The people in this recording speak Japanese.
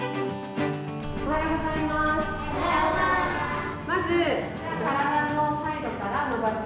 おはようございます。